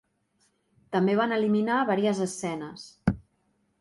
També van eliminar varies escenes.